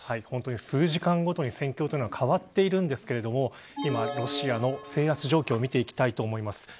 本当に数時間ごとに戦況は変わっているんですけれども今、ロシアの制圧状況を見ていきたいと思います。